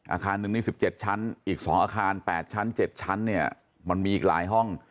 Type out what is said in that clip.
อาคารหนึ่งนี่๑๗ชั้นอีก๒อาคาร๘ชั้น๗ชั้นเนี่ยมันมีอีกหลายห้อง